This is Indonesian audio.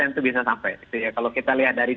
itu bisa sampai kalau kita lihat dari